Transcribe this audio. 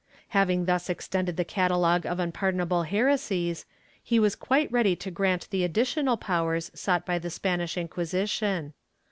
^ Having thus extended the catalogue of unpardon able heresies, he was quite ready to grant the additional powers sought by the Spanish Inquisition.